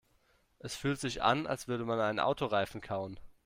Es fühlt sich an, als würde man einen Autoreifen kauen.